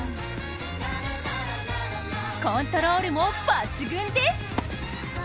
コントロールも抜群です。